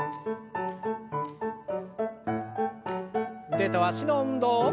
腕と脚の運動。